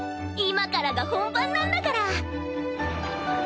今からが本番なんだから。